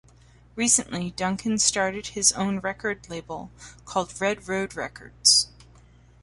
Recently, Duncan started his own record label called Red Road Records.